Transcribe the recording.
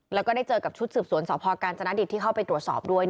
แล้วก็ได้เจอกับชุดสืบสวนสพกาญจนดิตที่เข้าไปตรวจสอบด้วย